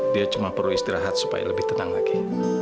dia cuma perlu istirahat supaya lebih tenang lagi